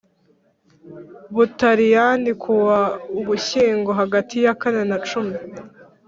Butaliyani ku wa Ugushyingo hagati yakane na cumi